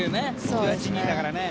１８人だからね。